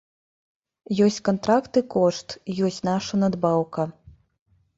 Ёсць кантрактны кошт, ёсць наша надбаўка.